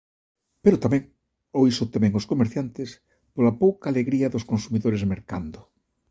Pero tamén, ou iso temen os comerciantes, pola pouca alegría dos consumidores mercando.